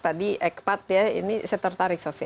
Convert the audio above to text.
tadi ekpat ya ini saya tertarik sofian